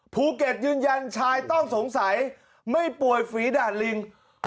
ภูเก็ตยืนยันชายต้องสงสัยไม่ป่วยฝีดาดลิง